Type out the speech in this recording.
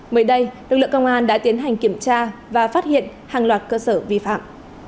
mới đây lực lượng công an đã tiến hành kiểm tra và phát hiện hàng loạt cơ sở vi phạm